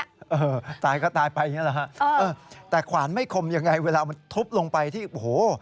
เออตายก็ตายไปอย่างเงี้แหละฮะเออแต่ขวานไม่คมยังไงเวลามันทุบลงไปที่โอ้โห